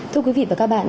thưa quý vị và các bạn